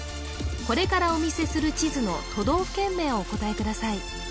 これからお見せする地図の都道府県名をお答えください